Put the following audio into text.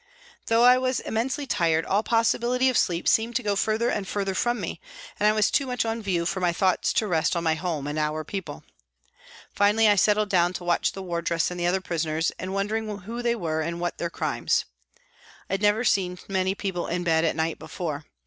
Though I was immensely tired, all possibility of sleep seemed to go further and further from me, and I was too much on view for my thoughts to rest on my home and our people. Finally, I settled down to watching the wardress and the other prisoners, and wondering who they were and what their crimes. I had never seen many people in bed at night before.